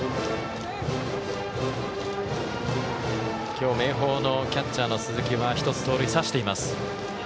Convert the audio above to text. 今日、明豊のキャッチャーの鈴木は１つ盗塁を刺しています。